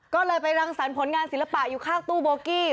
ก็เลยไปรังสรรพนิกสิลปะอยู่ข้างตู้บวกี้